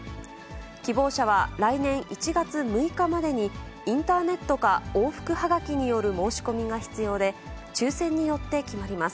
希望者は来年１月６日までに、インターネットか、往復はがきによる申し込みが必要で、抽せんによって決まります。